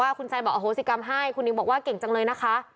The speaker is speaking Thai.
คุณแซนบอกอโหสิกรรมให้คุณนิวบอกว่าเก่งจังเลยนะคะ